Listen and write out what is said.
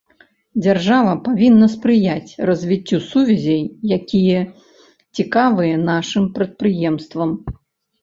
Дзяржава павінна спрыяць развіццю сувязей, якія цікавыя нашым прадпрыемствам.